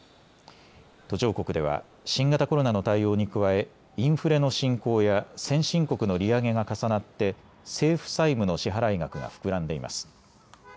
途上国では新型コロナの対応に加えインフレの進行や先進国の利上げが重なって政府債務の支払い額が膨らんでいます。